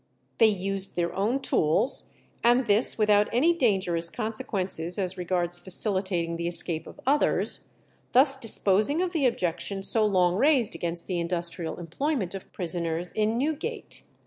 They used their own tools, and this without any dangerous consequences as regards facilitating the escape of others, thus disposing of the objection so long raised against the industrial employment of prisoners in Newgate.